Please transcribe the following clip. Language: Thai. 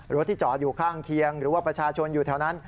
รถที่จอดอยู่ข้างเคียงหรือว่าประชาชนอยู่แถวนั้น